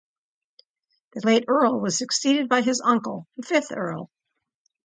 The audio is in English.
The late Earl was succeeded by his uncle, the fifth Earl.